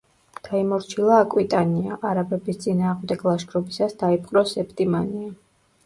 დაიმორჩილა აკვიტანია, არაბების წინააღმდეგ ლაშქრობისას დაიპყრო სეპტიმანია.